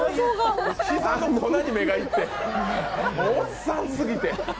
膝の粉に目がいっておっさんすぎて。